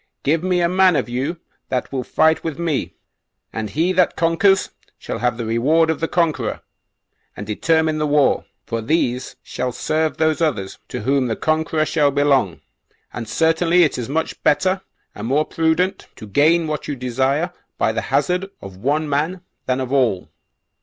Give me a man of you that will fight with me, and he that conquers shall have the reward of the conqueror and determine the war; for these shall serve those others to whom the conqueror shall belong; and certainly it is much better, and more prudent, to gain what you desire by the hazard of one man than of all."